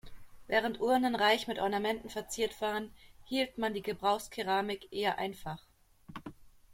Während Urnen reich mit Ornamenten verziert waren, hielt man die Gebrauchskeramik eher einfach.